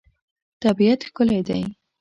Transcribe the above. طبیعت ښکلی دی.